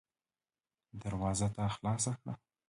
دروازه تا خلاصه کړه.